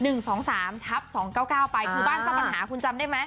คือบ้านเจ้าขันหาคุณจำได้ไหม